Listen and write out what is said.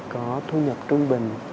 có thu nhập trung bình